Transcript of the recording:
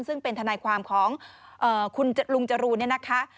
ซึ่งเป็นทนายความของคุณลุงจรูนเนี่ยนะคะ